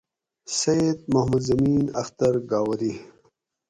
سید محمد زمین اختر گاؤری